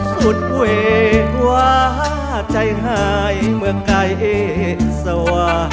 สุดเววาใจหายเมื่อกายเอสวะ